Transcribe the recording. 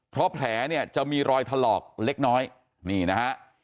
เพราะแผลเนี่ยจะมีรอยถลอกเล็กน้อยนี่นะฮะ